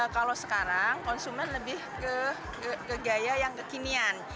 kalau sekarang konsumen lebih ke gaya yang kekinian